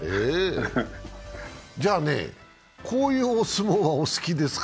じゃ、こういうお相撲はお好きですか？